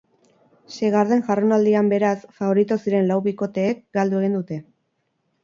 Seigarren jardunaldian beraz, faborito ziren lau bikoteek galdu egin dute.